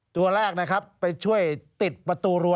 ตัวแรกไปช่วยติดประตูรัว